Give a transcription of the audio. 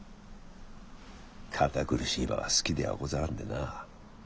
堅苦しい場は好きではござらんでなあ。